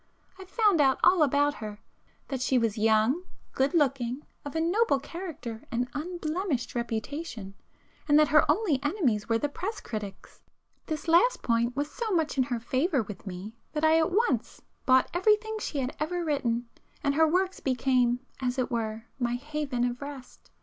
I found out all about her,—that she was young, good looking, of a noble character and unblemished reputation, and that her only enemies were the press critics. This last point was so much in her favour with me that I at once bought everything she had ever written, and her works became, as it were, my haven of rest.